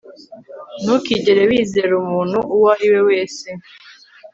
Ntukigere wizera umuntu uwo ari we wese